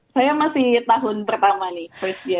saya masih tahun pertama nih